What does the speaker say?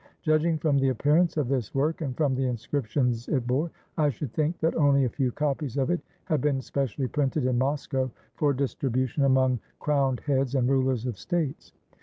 Judging from the appearance of this work and from the inscriptions it bore, I should think that only a few copies of it had been specially printed in Moscow for distri 537 TURKEY bution among crowned heads and rulers of states.